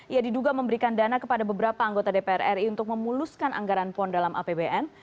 ia diduga memberikan dana kepada beberapa anggota dpr ri untuk memuluskan anggaran pon dalam apbn